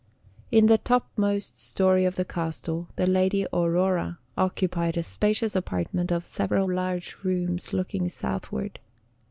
In the topmost story of the castle the Lady Aurora occupied a spacious apartment of several large rooms looking southward.